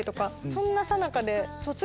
そんなさなかで。